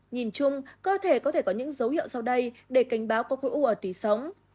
nhìn chung cơ thể có thể có những dấu hiệu sau đây để canh báo có khổ u ở tùy sống